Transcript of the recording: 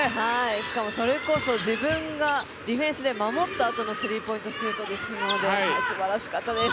しかも、それこそ自分がディフェンスで守ったあとのスリーポイントシュートですのですばらしかったです。